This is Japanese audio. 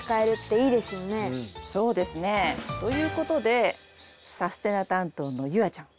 そうですね。ということでさすてな担当の夕空ちゃん。